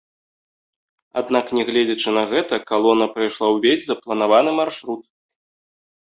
Аднак нягледзячы на гэта калона прайшла ўвесь запланаваны маршрут.